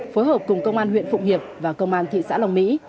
phối hợp cùng công an huyện phụng hiệp và công an thị xã long mỹ